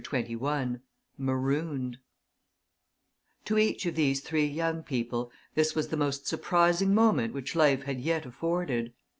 CHAPTER XXI MAROONED To each of these three young people this was the most surprising moment which life had yet afforded.